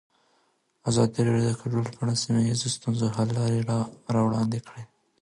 ازادي راډیو د کډوال په اړه د سیمه ییزو ستونزو حل لارې راوړاندې کړې.